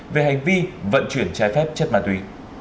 về hành vi vận chuyển trái phép chất ma túy